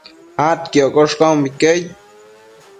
adquioccosh caumbique aid